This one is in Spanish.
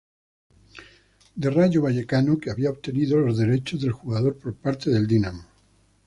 D Rayo Vallecano, que había obtenido los derechos del jugador por parte del Dinamo.